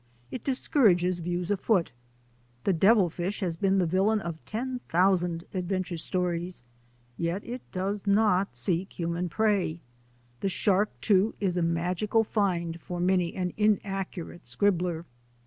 It discourages views afoot. The devil fish has been the villain of ten thousand adventure stories, yet it does not seek human prey. The shark, too, is a magical find for many an inaccurate scribbler.